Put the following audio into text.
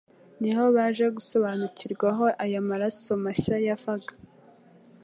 niho baje gusobanukirwa aho ayo maraso mashya yavaga.